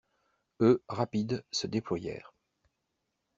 Eux, rapides, se déployèrent.